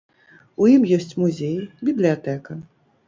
У ім ёсць музей, бібліятэка.